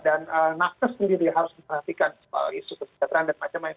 dan nakta sendiri harus diperhatikan soal isu kesehatan dan macam lain